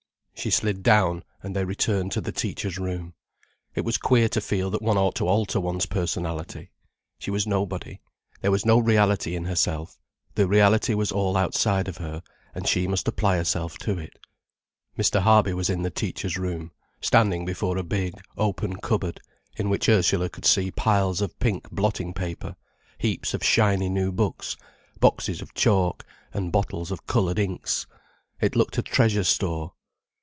She slid down, and they returned to the teacher's room. It was queer to feel that one ought to alter one's personality. She was nobody, there was no reality in herself, the reality was all outside of her, and she must apply herself to it. Mr. Harby was in the teachers' room, standing before a big, open cupboard, in which Ursula could see piles of pink blotting paper, heaps of shiny new books, boxes of chalk, and bottles of coloured inks. It looked a treasure store.